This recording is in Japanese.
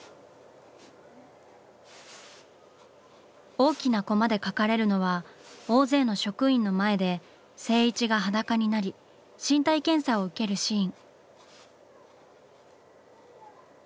大きなコマで描かれるのは大勢の職員の前で静一が裸になり身体検査を受けるシーン。